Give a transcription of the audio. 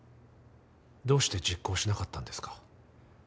どうして実行しなかったんですか？